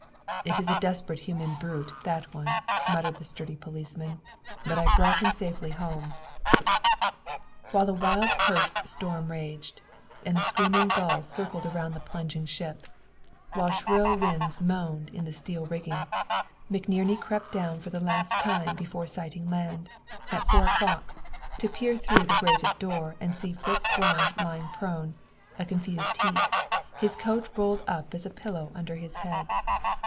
"It is a desperate human brute, that one," muttered the sturdy policeman; "but, I've brought him safely home." While a wild coast storm raged, and the screaming gulls circled around the plunging ship; while shrill winds moaned in the steel rigging, McNerney crept down for the last time before sighting land, at four o'clock, to peer through the grated door and see Fritz Braun lying prone a confused heap his coat rolled up as a pillow under his head.